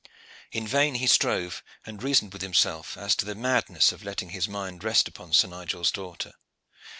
In vain he strove and reasoned with himself as to the madness of letting his mind rest upon Sir Nigel's daughter.